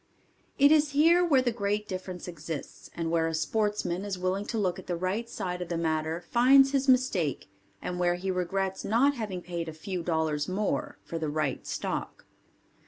It is here where the great difference exists and where a sportsman is willing to look at the right side of the matter finds his mistake and where he regrets not having paid a few dollars more for the right stock.